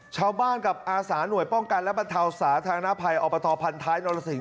ชาวบ้านกับอาสาหน่วยป้องกันและบรรเทาสาธารณภัยอบตพันท้ายนรสิง